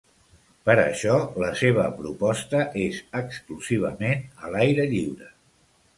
Per això, la seva proposta és exclusivament a l’aire lliure.